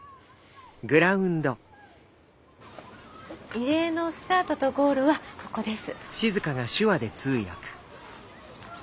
リレーのスタートとゴールはここです。